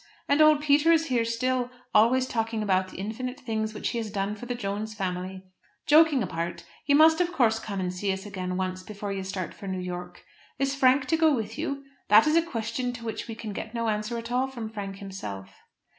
And old Peter is here still, always talking about the infinite things which he has done for the Jones family. Joking apart, you must of course come and see us again once before you start for New York. Is Frank to go with you? That is a question to which we can get no answer at all from Frank himself.